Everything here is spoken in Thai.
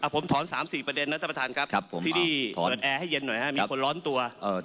ผมถอน๓๔ประเด็นนะท่านประธานครับที่นี่ถอดแอร์ให้เย็นหน่อยครับมีคนร้อนตัว